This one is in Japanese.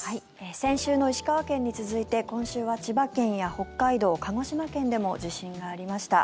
先週の石川県に続いて今週は千葉県や北海道、鹿児島県でも地震がありました。